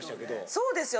そうですよ。